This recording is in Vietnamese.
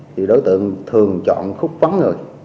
thì đối tượng thường chọn khúc vắng người